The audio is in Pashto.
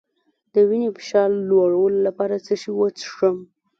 د وینې فشار لوړولو لپاره څه شی وڅښم؟